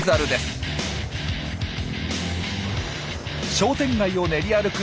商店街を練り歩く